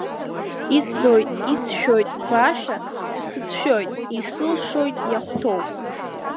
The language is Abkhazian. Иззоит исшәоит, баша шәсыцәшәоит, исылшоит иахәҭоу…